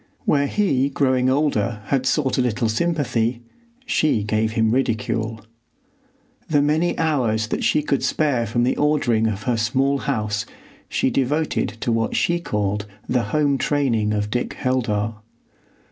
Where he growing older had sought a little sympathy, she gave him ridicule. The many hours that she could spare from the ordering of her small house she devoted to what she called the home training of Dick Heldar.